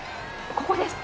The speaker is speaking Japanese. ここです。